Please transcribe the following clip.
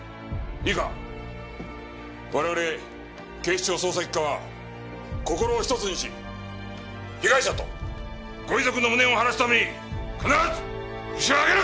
いいか我々警視庁捜査一課は心を一つにし被害者とご遺族の無念を晴らすために必ずホシを挙げる！